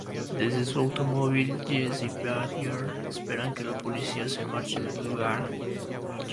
Desde un automóvil, Jesse y Badger esperan que la policía se marche del lugar.